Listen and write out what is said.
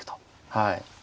はい。